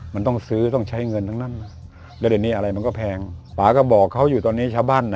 มันต้องซื้อต้องใช้เงินทั้งนั้น